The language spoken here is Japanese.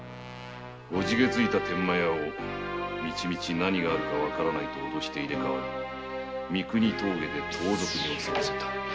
怖気づいた天満屋を「何があるかわからない」と脅して入れ代わり三国峠で盗賊に襲わせた。